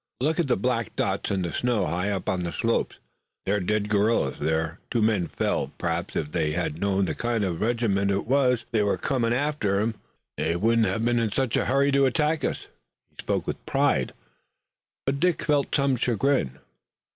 Look at the black dots in the snow high up on the slopes. Those are dead guerrillas. There, two men fell! Perhaps if they had known the kind of regiment it was they were coming after they wouldn't have been in such a hurry to attack us." He spoke with pride, but Dick felt some chagrin.